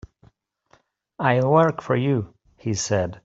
"I'll work for you," he said.